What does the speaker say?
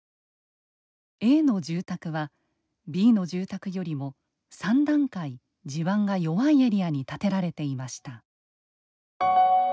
Ａの住宅はＢの住宅よりも３段階、地盤が弱いエリアに建てられていました。